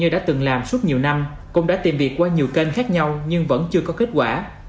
đã từng làm suốt nhiều năm cũng đã tìm việc qua nhiều kênh khác nhau nhưng vẫn chưa có kết quả